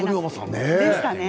でしたね。